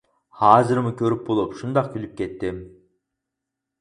ھازىرمۇ كۆرۈپ بولۇپ، شۇنداق كۈلۈپ كەتتىم.